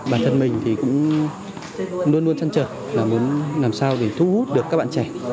bản thân mình thì cũng luôn luôn chăn trở là muốn làm sao để thu hút được các bạn trẻ